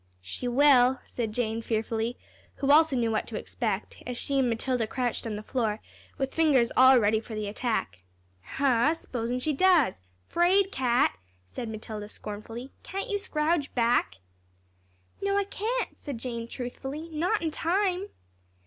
"She will," said Jane, fearfully, who also knew what to expect, as she and Matilda crouched on the floor, with fingers all ready for the attack. "Huh! S'posin' she does? 'Fraid cat," said Matilda, scornfully, "can't you scrouge back?" "No, I can't," said Jane, truthfully, "not in time."